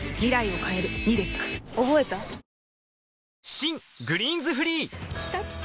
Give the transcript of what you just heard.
新「グリーンズフリー」きたきた！